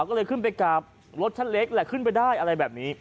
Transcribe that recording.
ก็เลยขึ้นไปกราบรถชั้นเล็กแหละขึ้นไปได้อะไรแบบนี้